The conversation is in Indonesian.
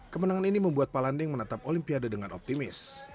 kemenangan ini membuat palanding menetap olimpiade dengan optimis